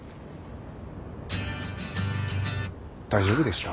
大丈夫でした？